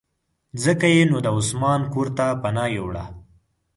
ځکه یې نو د عثمان کورته پناه یووړه.